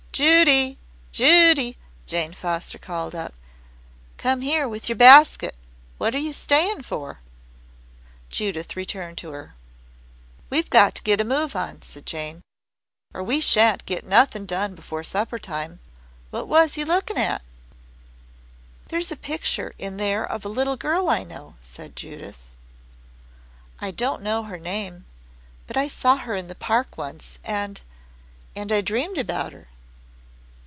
"Judy, Judy!" Jane Foster called out. "Come here with your basket; what you staying for?" Judith returned to her. "We've got to get a move on," said Jane, "or we shan't get nothin' done before supper time. What was you lookin' at?" "There's a picture in there of a little girl I know," Judith said. "I don't know her name, but I saw her in the Park once and and I dreamed about her."